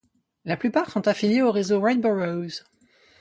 La plupart sont affiliés au réseau Rainbow Rose.